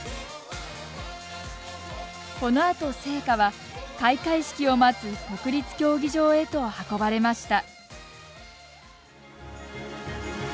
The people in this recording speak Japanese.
このあと聖火は開会式を待つ国立競技場へと運ばれました。